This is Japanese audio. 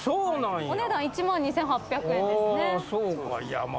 お値段１万２，８００円ですね。